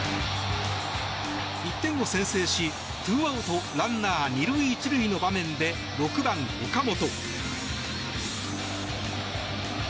１点を先制し２アウトランナー２塁１塁の場面で６番、岡本。